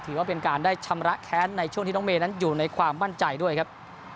ถือว่าเป็นการได้ชำระแค้นในช่วงที่น้องเมย์นั้นอยู่ในความมั่นใจด้วยครับ